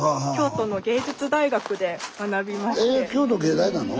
え京都芸大なの？